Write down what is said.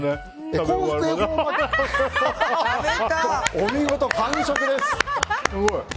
お見事、完食です。